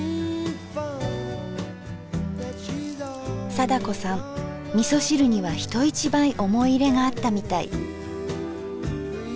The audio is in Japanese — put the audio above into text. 貞子さんみそ汁には人一倍思い入れがあったみたい。